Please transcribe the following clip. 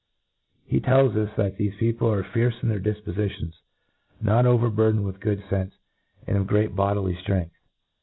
He tells us, that thefe peo ple are fierce in their difpofitions, not overbur dened with good fenfe, and of great bodily ftrcngth.